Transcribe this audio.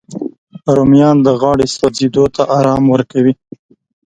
رومیان د غاړې سوځېدو ته ارام ورکوي